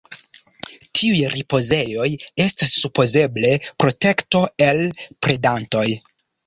Tiuj ripozejoj estas supozeble protekto el predantoj.